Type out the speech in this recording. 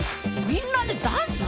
みんなでダンス？